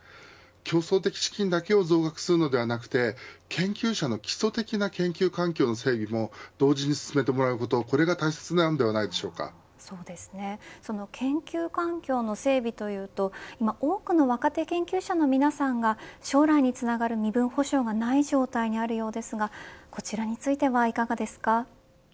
競争的資金だけを増額するのではなくて研究者の基礎的な研究環境の整備も同時に進めてもらうことがその研究環境の整備というと今、多くの若手研究者の皆さんが将来につながる身分保障がない状態にあるようですがこちらについてはいかがですか。